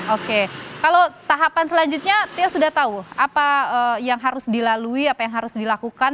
oke kalau tahapan selanjutnya tio sudah tahu apa yang harus dilalui apa yang harus dilakukan